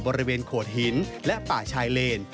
บริเวณโขดหินและป่าชายเลน